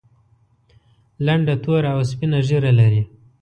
لنډه توره او سپینه ږیره لري.